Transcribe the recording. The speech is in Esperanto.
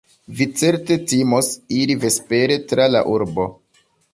Vi certe timos iri vespere tra la urbo.